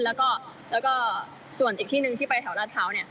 แล้วก็ส่วนอีกที่หนึ่งที่ไปแถวรัดเท้าเนี่ย